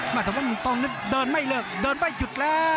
หมายถึงว่ามันต้องเดินไม่เลิกเดินไปหยุดแล้ว